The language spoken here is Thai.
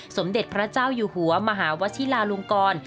สมเด็จพระเจ้าอยู่หัวมหาวชิลาลงกร